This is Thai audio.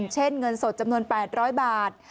เช่นเงินสดจำนวน๘๐๐บาท